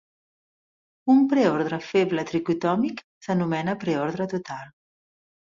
Un preordre feble tricotòmic s'anomena preordre total.